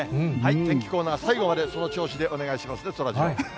天気コーナー、最後までその調子でお願いしますね、宙ジロー。